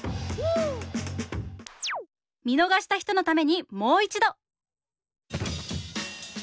見逃した人のためにもう一度！